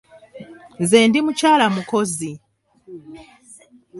Nze ndi mukyala mukozi.